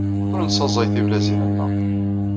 Ur nessaẓey tibalizin-nneɣ.